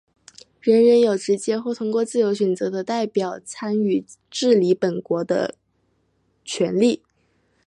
人人有直接或通过自由选择的代表参与治理本国的权利。